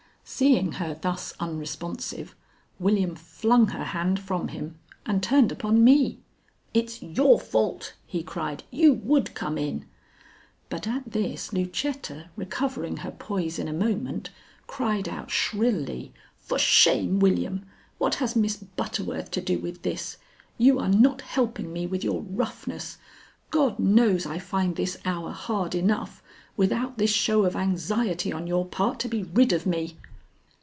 Seeing her thus unresponsive, William flung her hand from him and turned upon me. "It's your fault," he cried. "You would come in " But, at this, Lucetta, recovering her poise in a moment, cried out shrilly: "For shame, William! What has Miss Butterworth to do with this? You are not helping me with your roughness. God knows I find this hour hard enough, without this show of anxiety on your part to be rid of me."